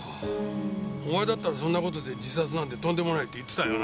お前だったらそんな事で自殺なんてとんでもないって言ってたよな。